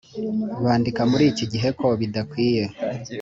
bandika muri iki gihe ko bidakwiye